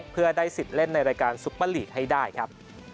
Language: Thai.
เพื่อได้สิทธิ์เล่นในรายการซุปเปอร์ลีกให้ได้ครับ